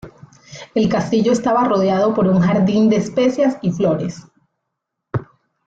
El castillo estaba rodeado por un jardín de especias y flores.